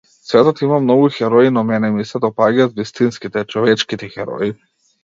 Светот има многу херои, но мене ми се допаѓаат вистинските, човечките херои.